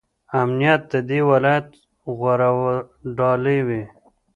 امنیت د دې ولایت غوره ډالۍ وي.